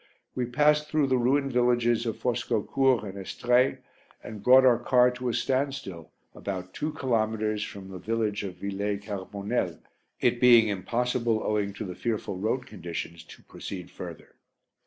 We passed through the ruined villages of Foscaucourt and Estrées and brought our car to a standstill about two kilometres from the village of Villers Carbonel, it being impossible owing to the fearful road conditions to proceed further.